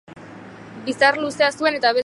Bizar luzea zuen eta beltzez jantzita zihoan.